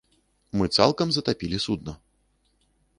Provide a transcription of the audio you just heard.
Мы цалкам затапілі судна!